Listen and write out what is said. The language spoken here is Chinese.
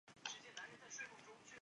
最高军职官员为。